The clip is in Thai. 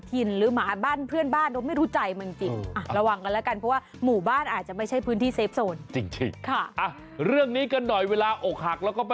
ไทยมากสิบนาพาหนาแล้วเมื่อเวลายันเย็น